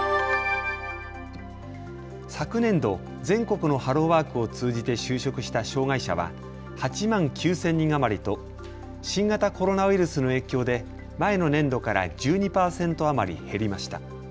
昨年度、全国のハローワークを通じて就職した障害者は８万９０００人余りと新型コロナウイルスの影響で前の年度から１２％余り減りました。